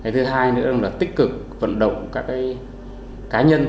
thứ hai nữa là tích cực vận động các cá nhân